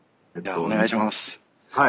お願いします。